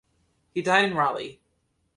He died in Raleigh.